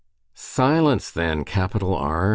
"Silence then, capital R!"